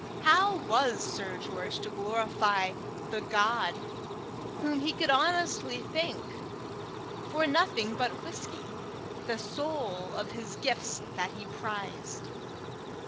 How was Sir George to glorify the God whom he could honestly thank for nothing but whisky, the sole of his gifts that he prized?